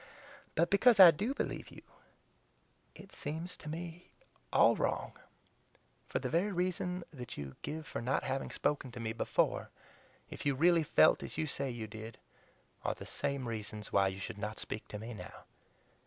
But because I do believe you it seems to me all wrong! For the very reasons that you give for not having spoken to me BEFORE, if you really felt as you say you did, are the same reasons why you should not speak to me now.